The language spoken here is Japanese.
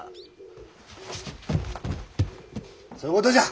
そういうことじゃ。